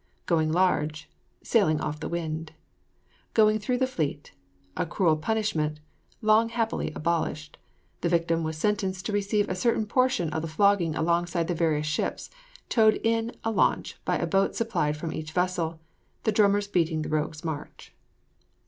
GOING LARGE. Sailing off the wind. GOING THROUGH THE FLEET. A cruel punishment, long happily abolished. The victim was sentenced to receive a certain portion of the flogging alongside the various ships, towed in a launch by a boat supplied from each vessel, the drummers beating the rogue's march.